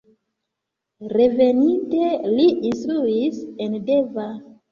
Reveninte li instruis en Deva.